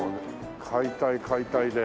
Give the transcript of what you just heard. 解体解体で。